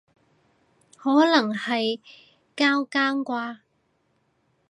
可能係交更啩